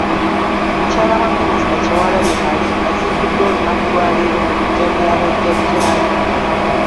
Mukyala wa Minisita Kyewalabye Male aziikiddwa olunaku lwaleero ku biggya bya bajjajja be.